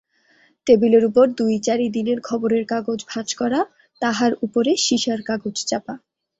টেবিলের উপর দুই-চারি দিনের খবরের কাগজ ভাঁজ করা, তাহার উপরে সীসার কাগজ-চাপা।